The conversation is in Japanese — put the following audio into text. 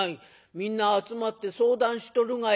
みんな集まって相談しとるがや。